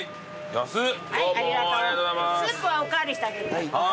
スープはお代わりしてあげるから。